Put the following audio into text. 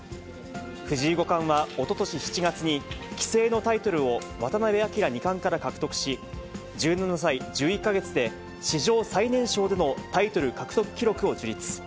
藤井五冠はおととし７月に、棋聖のタイトルを渡辺明二冠から獲得し、１７歳１１か月で、史上最年少でのタイトル獲得記録を樹立。